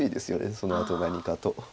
そのあと何かと。